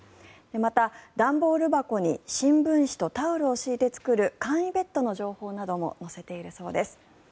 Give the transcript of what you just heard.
また、段ボール箱に新聞紙とタオルを敷いて作る簡易ベッドの情報なども載せているそうです。